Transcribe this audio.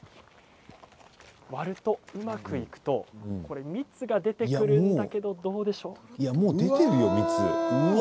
割ると、うまくいくと蜜が出てくるんだけどもう出ているよ、蜜。